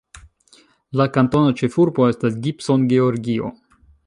La kantona ĉefurbo estas Gibson, Georgio.